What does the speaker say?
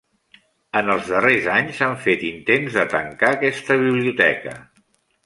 En els darrers anys, s'han fet intents de tancar aquesta biblioteca.